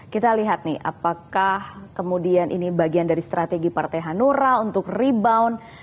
kita lihat nih apakah kemudian ini bagian dari strategi partai hanura untuk rebound